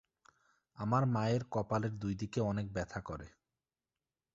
আমার মায়ের কপালের দুই দিকে অনেক ব্যথা করে।